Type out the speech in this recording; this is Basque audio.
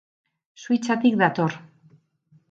Suitzatik dator.